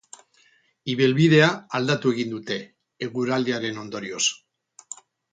Ibilbidea aldatu egin dute, eguraldiaren ondorioz.